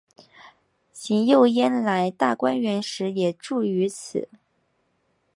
邢岫烟来大观园时也住于此。